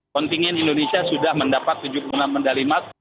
kontingen indonesia sudah mendapat tujuh puluh enam medali emas